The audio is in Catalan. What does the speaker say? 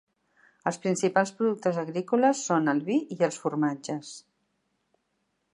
Els principals productes agrícoles són el vi i els formatges.